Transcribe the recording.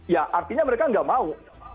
ya artinya mereka nggak mau